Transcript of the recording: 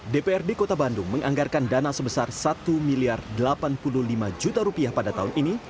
dprd kota bandung menganggarkan dana sebesar rp satu delapan puluh lima juta rupiah pada tahun ini